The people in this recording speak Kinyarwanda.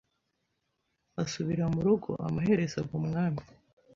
asubira murugo amaherezo aba umwami